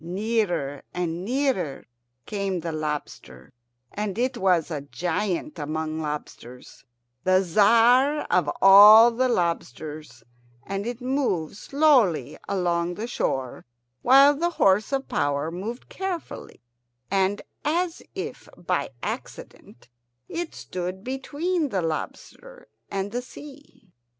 Nearer and nearer came the lobster, and it was a giant among lobsters, the Tzar of all the lobsters; and it moved slowly along the shore, while the horse of power moved carefully and as if by accident, until it stood between the lobster and the sea.